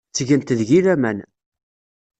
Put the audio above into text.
Ttgent deg-i laman.